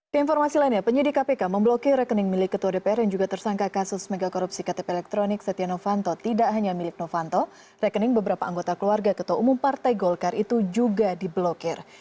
ke informasi lainnya penyidik kpk memblokir rekening milik ketua dpr yang juga tersangka kasus megakorupsi ktp elektronik setia novanto tidak hanya milik novanto rekening beberapa anggota keluarga ketua umum partai golkar itu juga diblokir